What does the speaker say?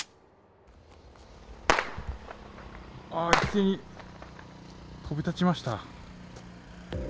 一斉に飛び立ちました。